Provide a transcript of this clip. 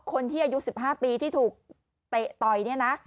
คนที่อายุ๑๕ปีที่ถูกเตะต่อย